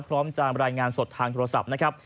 พร้อมจะรายงานสดทางโทรศัพท์นะครับ